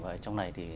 ở trong này thì